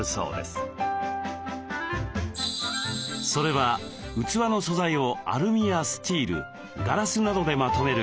それは器の素材をアルミやスチールガラスなどでまとめること。